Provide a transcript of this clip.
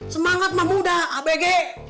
semangat mah muda abg